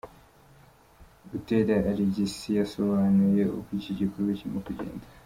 Butera Alegisi, yasobanuye uko iki gikorwa kirimo kugenda.